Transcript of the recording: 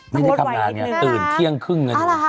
ไม่ได้ทำร้านเนี่ยตื่นเที่ยงครึ่ง